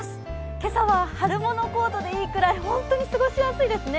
今朝は春物コートでいいくらい、本当に過ごしやすいですね。